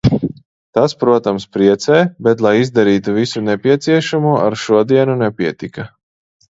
Tas, protams, priecē, bet lai izdarītu visu nepieciešamo ar šodienu nepietika.